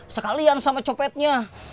sekalian sama copetnya